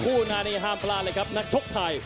หน้านี้ห้ามพลาดเลยครับนักชกไทย